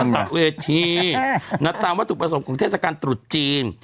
ประตักเวทีน่ะตามว่าถูกผสมของเทศกาลตรุษจีน